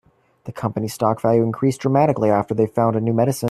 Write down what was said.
The company's stock value increased dramatically after they found a new medicine.